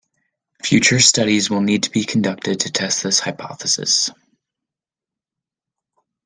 Future studies will need to be conducted to test this hypothesis.